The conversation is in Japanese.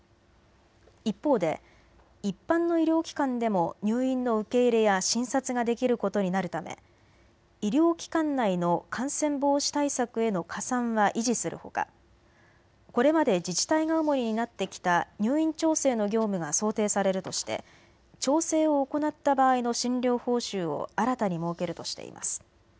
一方で一般の医療機関でも入院の受け入れや診察ができることになるため医療機関内の感染防止対策への加算は維持するほかこれまで自治体が主に担ってきた入院調整の業務が想定されるとして調整を行った場合の診療報酬を新たに設けるとしています。